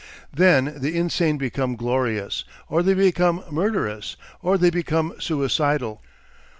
Then the insane become "glorious," or they become murderous, or they become suicidal.